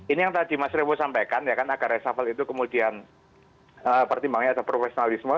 ini yang tadi mas revo sampaikan ya kan agar resafel itu kemudian pertimbangannya ada profesionalisme